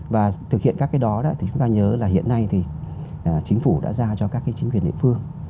và thực hiện các cái đó thì chúng ta nhớ là hiện nay thì chính phủ đã ra cho các cái chính quyền địa phương